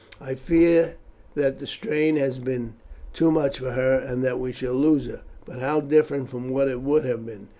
I fear that the strain has been too much for her, and that we shall lose her. But how different from what it would have been!